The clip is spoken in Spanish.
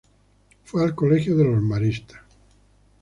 Fue al colegio de los Maristas.